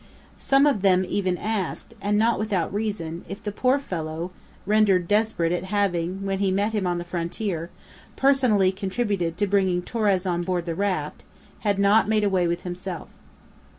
Some of them even asked, and not without reason, if the poor fellow, rendered desperate at having, when he met him on the frontier, personally contributed to bringing Torres on board the raft, had not made away with himself.